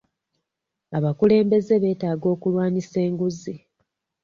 Abakulembeze beetaaga okulwanyisa enguzi.